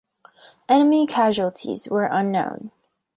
Enemy casualties were unknown.